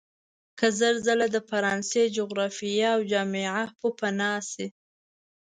که زر ځله د فرانسې جغرافیه او جامعه پوپناه شي.